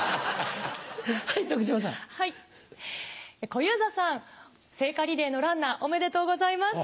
小遊三さん聖火リレーのランナーおめでとうございます。